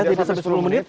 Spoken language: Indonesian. tidak sampai sepuluh menit